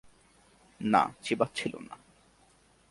না, চিবাচ্ছিল না।